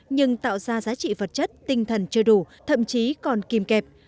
nhưng tạo ra giá trị vật chất tinh thần chưa đủ thậm chí còn kìm kẹp